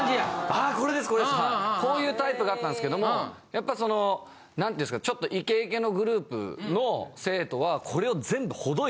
あこれですこれです。こういうタイプだったんすけどもやっぱその何て言うんですかちょっとイケイケのグループの生徒はこれを。